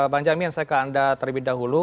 bang jaminan saya ke anda terlebih dahulu